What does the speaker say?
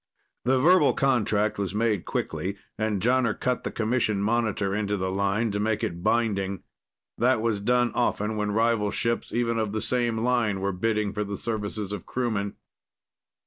The verbal contract was made quickly, and Jonner cut the Commission monitor into the line to make it binding. That was done often when rival ships, even of the same line, were bidding for the services of crewmen.